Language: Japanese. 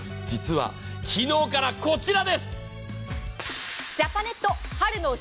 実は昨日からこちらです！